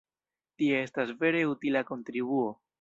Tio estas vere utila kontribuo!